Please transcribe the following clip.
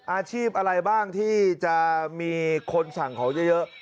อาชีพอะไรบ้างที่จะมีคนสั่งของเยอะ